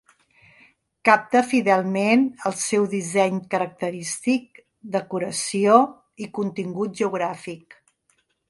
Capta fidelment el seu disseny característic, decoració i contingut geogràfic.